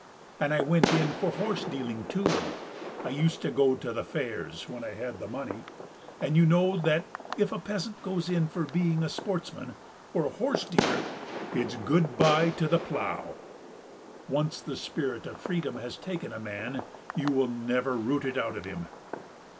And I went in for horse dealing too, I used to go to the fairs when I had the money, and you know that if a peasant goes in for being a sportsman, or a horse dealer, it's good bye to the plough. Once the spirit of freedom has taken a man you will never root it out of him.